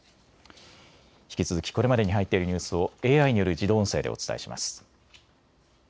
引き続きこれまでに入っているニュースをＡＩによる自動音声でお伝えします。